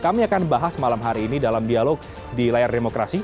kami akan bahas malam hari ini dalam dialog di layar demokrasi